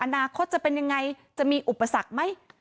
อนาคตจะเป็นยังไงจะมีอุปสรรคไหม